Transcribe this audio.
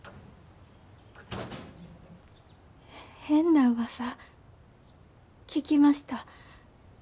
変なうわさ聞きました。